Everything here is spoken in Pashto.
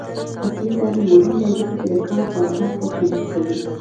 عصري تعلیم مهم دی ځکه چې د کار بازار ته چمتو کوي.